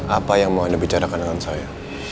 apa yang mau anda bicarakan dengan saya